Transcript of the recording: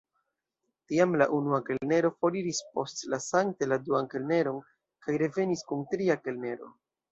Tiam la unua kelnero foriris, postlasante la duan kelneron, kaj revenis kun tria kelnero.